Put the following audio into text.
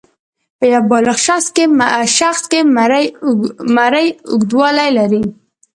په یو بالغ شخص کې مرۍ اوږدوالی لري.